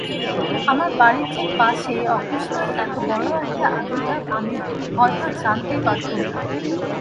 আমার বাড়ির ঠিক পাশেই অকস্মাৎ এতবড়ো একটা আবির্ভাব আমি হয়তো জানতেই পারতুম না।